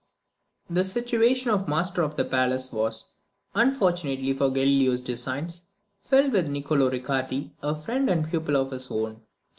The situation of master of the palace was, fortunately for Galileo's designs, filled by Nicolo Riccardi, a friend and pupil of his own.